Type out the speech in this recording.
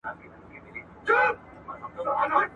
ماچي سکروټي په غاښو چیچلې.